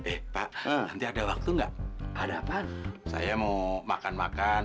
eh pak nanti ada waktu nggak ada apa saya mau makan makan